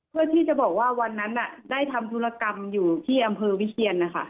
เพื่อที่จะบอกว่าวันนั้นได้ทำธุรกรรมอยู่ที่อำเภอวิเชียนนะคะ